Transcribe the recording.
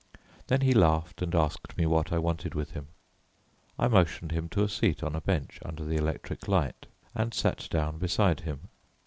Then he laughed and asked me what I wanted with him. I motioned him to a seat on a bench under the electric light, and sat down beside him.